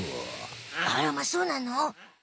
あらまそうなの？